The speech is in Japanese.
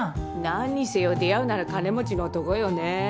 なんにせよ出会うなら金持ちの男よね。